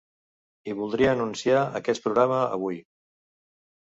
I voldria anunciar aquest programa avui.